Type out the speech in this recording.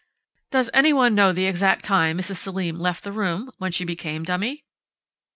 "Does anyone know the exact time Mrs. Selim left the room, when she became dummy?"